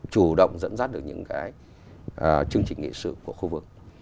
chủ động dẫn dắt được những cái chương trình nghị sự của khu vực